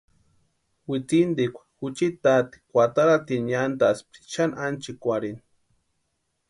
Witsintikwa juchi taati kwataratini niantʼaspti xani ánchikwarhini.